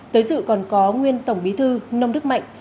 tới dự còn có nguyên tổng bí thư nông đức mạnh